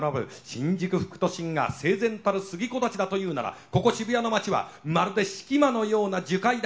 新宿副都心が整然たる杉木立だというならここ渋谷の街はまるで色魔のような樹海だ。